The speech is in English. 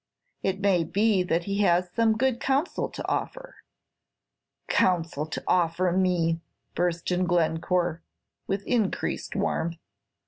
"It may be that he has some good counsel to offer." "Counsel to offer me!" burst in Glencore, with increased warmth.